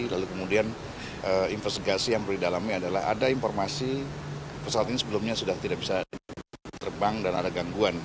lalu kemudian investigasi yang perlu didalami adalah ada informasi pesawat ini sebelumnya sudah tidak bisa terbang dan ada gangguan